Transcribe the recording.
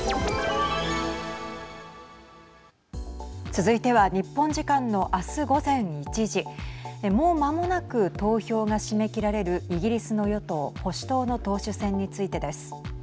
続いては日本時間の明日午前１時もうまもなく投票が締め切られるイギリスの与党・保守党の党首選についてです。